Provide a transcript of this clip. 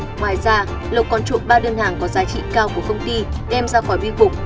ngoài ra lộc còn trụ ba đơn hàng có giá trị cao của công ty đem ra khỏi biên phục